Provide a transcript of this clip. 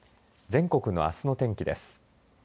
全国のあすの天気です。